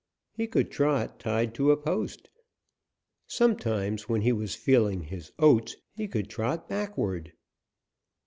He could trot tied to a post. Sometimes when he was feeling his oats he could trot backward.